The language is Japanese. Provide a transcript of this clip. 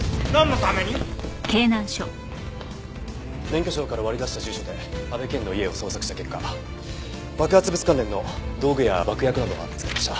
免許証から割り出した住所で阿部健の家を捜索した結果爆発物関連の道具や爆薬などが見つかりました。